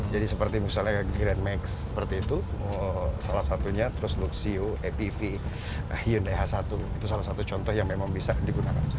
jadi seperti grand max luxio mpv hyundai h satu itu salah satu contoh yang memang bisa digunakan